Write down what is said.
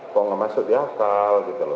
kalau tidak masuk di akal